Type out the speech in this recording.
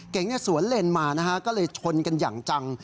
สวนเลนมานะฮะก็เลยชนกันอย่างจัง